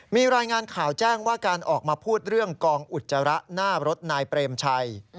มีรายงานข่าวแจ้งว่าการออกมาพูดเรื่องกองอุจจาระหน้ารถนายเปรมชัย